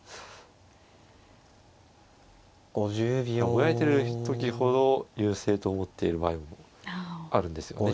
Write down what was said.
ぼやいてる時ほど優勢と思っている場合もあるんですよね。